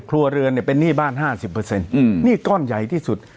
ครัวเรือนเนี่ยเป็นหนี้บ้าน๕๐หนี้ก้อนใหญ่ที่สุด